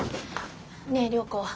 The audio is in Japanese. ねえ涼子。